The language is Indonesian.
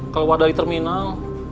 keluar dari terminal